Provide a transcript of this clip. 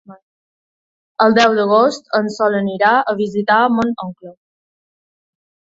El deu d'agost en Sol anirà a visitar mon oncle.